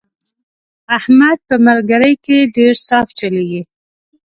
احمد په ملګرۍ کې ډېر صاف چلېږي.